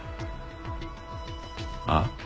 あっ？